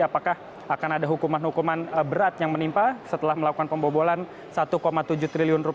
apakah akan ada hukuman hukuman berat yang menimpa setelah melakukan pembobolan rp satu tujuh triliun